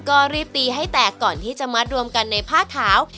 ก็รีบตีให้แตกก่อนที่จะมัดรวมกันในผ้าขาว